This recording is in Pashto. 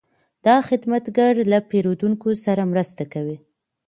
دا خدمتګر له پیرودونکو سره مرسته کوي.